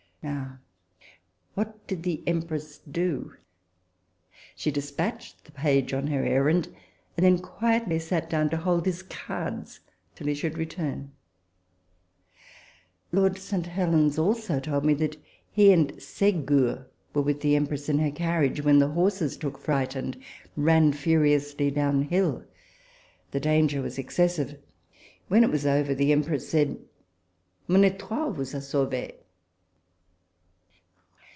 Now, what did the Empress do ? she despatched the page on her errand, and then quietly sat down to hold his cards till he should return. E 66 RECOLLECTIONS OF THE Lord St. Helens also told me that he and Segur were with the Empress in her carriage, when the horses took fright, and ran furiously down hill. The danger was excessive. When it was over, the Em press said, " Mon e"toile vous a sauvee."